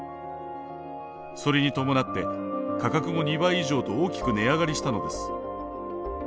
それに伴って価格も２倍以上と大きく値上がりしたのです。